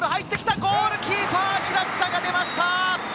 ゴールキーパー・平塚が出ました。